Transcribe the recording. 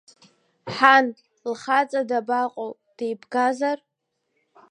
Ҳан, лхаҵа дабаҟоу, деибгазар?